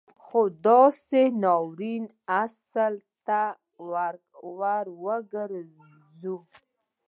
خو د اوسني ناورین اصل ته که وروګرځو